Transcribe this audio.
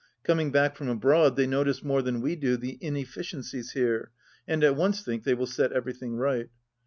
Coming back from abroad they notice more than we do the inefEciencies here, and at once think they will set everything right.